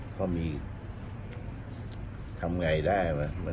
พอมีทำไงได้